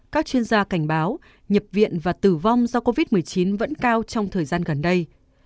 các chuyên gia cảnh báo nhập viện và tử vong do covid một mươi chín vẫn cao trong thời gian gần đây